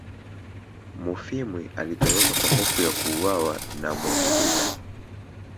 Mufwimi alitoroka kwa hofu ya kuuawa na Mwamududa